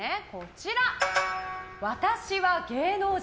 「私はもう芸能人！